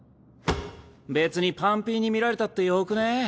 別にパンピーに見られたってよくね？